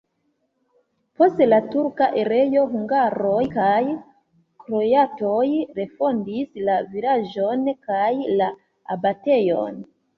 Post la turka erao hungaroj kaj kroatoj refondis la vilaĝon kaj la abatejon.